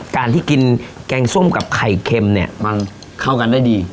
การที่กินแกงส้มกับไข่เค็มเนี่ยมันเข้ากันได้ดี